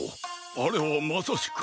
あれはまさしく。